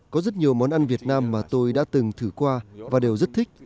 có rất nhiều món ăn việt nam mà tôi đã từng thử qua và đều rất thích